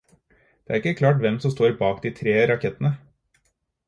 Det er ikke klart hvem som står bak de tre rakettene.